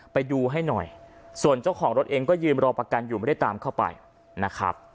ไปดูให้หน่อยส่วนเจ้าของรถเองก็ยืนรอประกันอยู่ไม่ได้ตามเข้าไปนะครับ